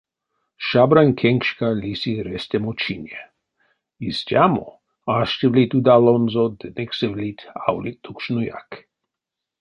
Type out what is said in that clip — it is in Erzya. Шабрань кенкшка лиси рестамо чине... истямо — аштевлить удалонзо ды никсевлить, аволить тукшнояк.